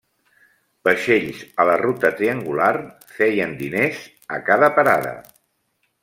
Vaixells a la ruta triangular feien diners a cada parada.